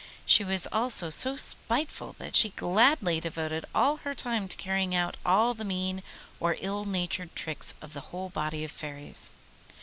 She was also so spiteful that she gladly devoted all her time to carrying out all the mean or ill natured tricks of the whole body of fairies.